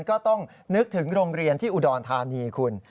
ก็ต้องนึกถึงโรงเรียนที่อุดรธานีคุณ